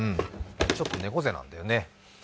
ちょっと猫背なんだよね。